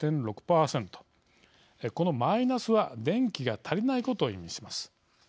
このマイナスは電気が足りないことを意味します。